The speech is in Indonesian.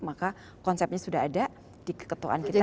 maka konsepnya sudah ada di keketuaan kita